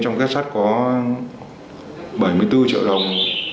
trong kết sắt có bảy mươi bốn triệu đồng